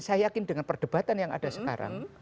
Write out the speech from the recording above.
saya yakin dengan perdebatan yang ada sekarang